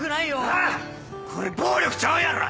あぁ⁉これ暴力ちゃうやろ！